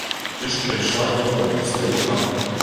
Ты ж прыйшла дамоў, у сваю хату.